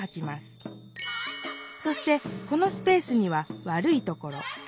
そしてこのスペースには悪いところ。